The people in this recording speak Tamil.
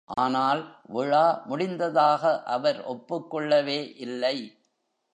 ஆனால், விழா முடிந்ததாக அவர் ஒப்புக் கொள்ளவே இல்லை.